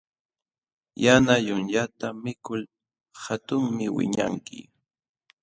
Yana yunyata mikul hatunmi wiñanki.